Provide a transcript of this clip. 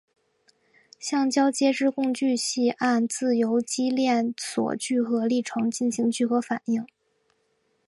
橡胶接枝共聚系按自由基链锁聚合历程进行聚合反应。